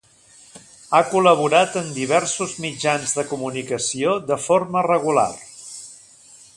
Ha col·laborat en diversos mitjans de comunicació de forma regular.